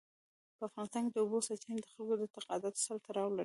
په افغانستان کې د اوبو سرچینې د خلکو د اعتقاداتو سره تړاو لري.